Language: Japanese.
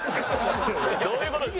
どういう事ですか？